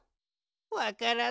わからない。